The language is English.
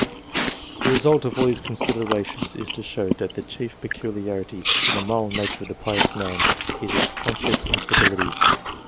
The result of all these considerations is to show that the chief peculiarity in the moral nature of the pious man is its conscious instability.